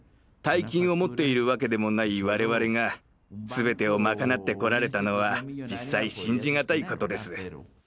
大金を持っているわけでもない我々が全てを賄ってこられたのは実際信じがたいことです。